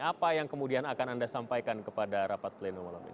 apa yang kemudian akan anda sampaikan kepada rapat pleno malam ini